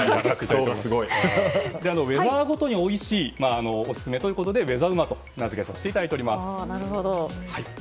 ウェザーごとにおいしいオススメということでウェザうまと名付けさせていただきました。